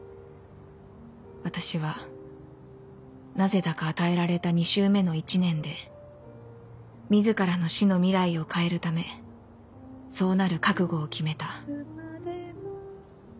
私はなぜだか与えられた２周目の一年で自らの死の未来を変えるためそうなる覚悟を決めた